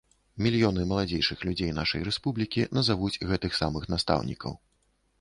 Мільёны маладзейшых людзей нашай рэспублікі назавуць гэтых самых настаўнікаў.